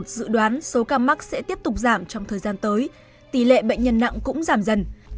dự đoán số ca mắc sẽ tiếp tục giảm trong thời gian tới tỷ lệ bệnh nhân nặng cũng giảm dần